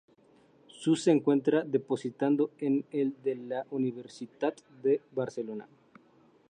Su se encuentra depositado en el de la Universitat de Barcelona.